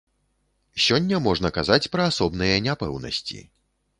Сёння можна казаць пра асобныя няпэўнасці.